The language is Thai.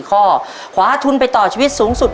คำเอกในโครงสี่สุภาพ